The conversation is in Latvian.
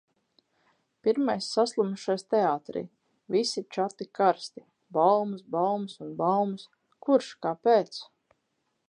Pirmais saslimušais teātrī! Visi čati karsti – baumas, baumas un baumas. Kurš? Kāpēc?